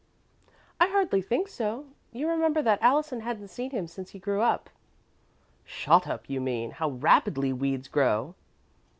"I hardly think so. You remember that Allison hadn't seen him since he grew up." "Shot up, you mean. How rapidly weeds grow!"